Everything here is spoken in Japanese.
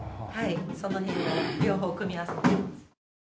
その音色を両方組み合わせてやります。